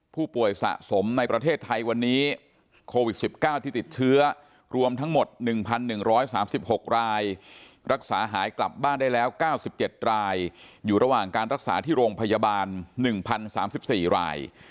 ผู้ป่วยสะสมในประเทศไทยวันนี้โควิด๑๙ที่ติดเชื้อรวมทั้งหมด๑๑๓๖รายรักษาหายกลับบ้านได้แล้ว๙๗รายอยู่ระหว่างการรักษาที่โรงพยาบาล๑๐๓๔ราย